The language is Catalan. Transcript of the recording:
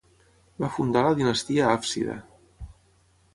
Va fundar la dinastia hàfsida.